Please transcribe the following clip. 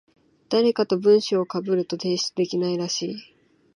誰かと文章被ると提出できないらしい。